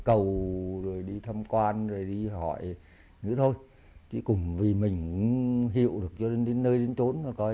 cầu rồi đi thăm quan rồi đi hỏi nữa thôi chỉ cùng vì mình hiệu được cho nên đến nơi đến tốn và coi